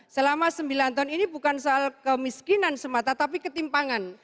selama sembilan tahun ini bukan soal kemiskinan semata tapi ketimpangan